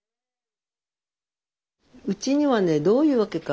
うちにはねどういうわけか